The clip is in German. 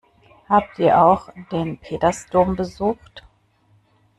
Habt ihr auch den Petersdom besucht?